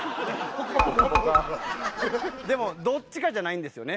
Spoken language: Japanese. でもどっちかじゃないんですよね。